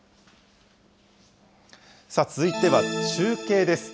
続いては中継です。